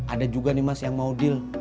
ada juga nih mas yang mau deal